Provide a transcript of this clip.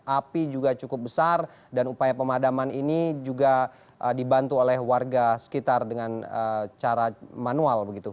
api juga cukup besar dan upaya pemadaman ini juga dibantu oleh warga sekitar dengan cara manual begitu